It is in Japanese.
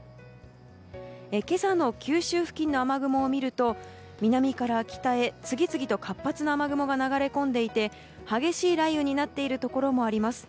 今朝の九州付近の雨雲を見ると南から北へ、次々と活発な雨雲が流れ込んでいて激しい雷雨になっているところもあります。